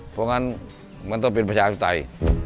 เพราะงั้นมันต้องเป็นประชาธิปไตย